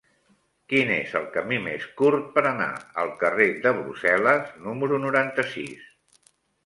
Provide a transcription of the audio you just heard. Quin és el camí més curt per anar al carrer de Brussel·les número noranta-sis?